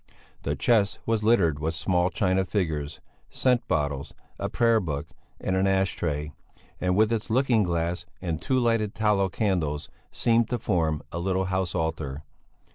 The chest was littered with small china figures, scent bottles, a prayer book, and an ash tray, and with its looking glass and two lighted tallow candles seemed to form a little house altar.